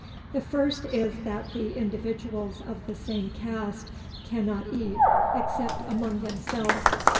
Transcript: The first is that the individuals of the same caste cannot eat except among themselves.